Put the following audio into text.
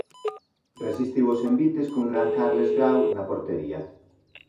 Resistiu os envites cun gran Carles Grau na portería.